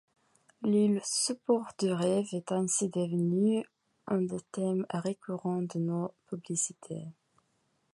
L'île support du rêve est ainsi devenue un des thèmes récurrent de nos publicités.